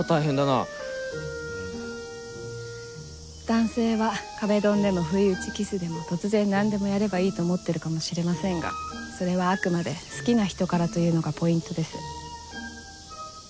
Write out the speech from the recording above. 男性は壁ドンでも不意打ちキスでも突然なんでもやればいいと思ってるかもしれませんがそれはあくまで「好きな人から」というのがポイントです。